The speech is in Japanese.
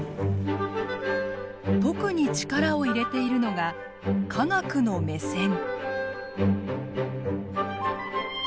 特に力を入れているのが科学の目線。